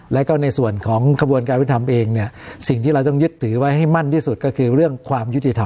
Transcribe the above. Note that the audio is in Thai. แล้วก็ในส่วนของขบวนการวิทธรรมเองเนี่ยสิ่งที่เราต้องยึดถือไว้ให้มั่นที่สุดก็คือเรื่องความยุติธรรม